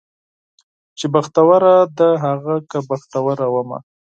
چې بختوره ده هغه که بختوره ومه